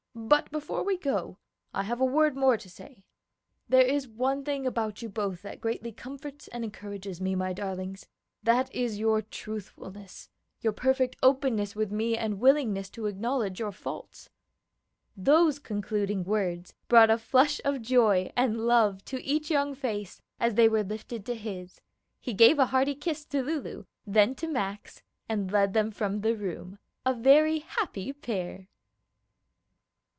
"But before we go, I have a word more to say: there is one thing about you both that greatly comforts and encourages me, my darlings; that is your truthfulness, your perfect openness with me and willingness to acknowledge your faults." Those concluding words brought a flush of joy and love to each young face as they were lifted to his. He gave a hearty kiss to Lulu, then to Max, and led them from the room, a very happy pair.